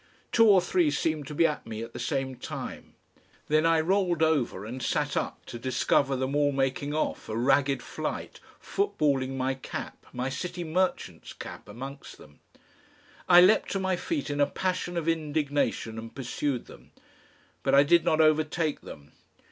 Two or three seemed to be at me at the same time. Then I rolled over and sat up to discover them all making off, a ragged flight, footballing my cap, my City Merchants' cap, amongst them. I leapt to my feet in a passion of indignation and pursued them. But I did not overtake them.